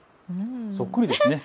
そっくりですね。